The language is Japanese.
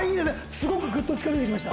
すごくぐっと近づいてきました